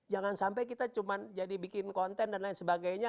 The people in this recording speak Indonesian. jangan sampai kita cuma jadi bikin konten dan lain sebagainya